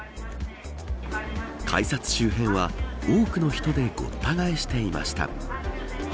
改札周辺は多くの人でごった返していました。